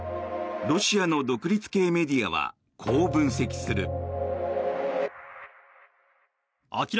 ロシアの独立系メディアはこう分析する。